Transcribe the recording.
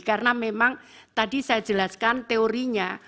karena memang tadi saya jelaskan teorinya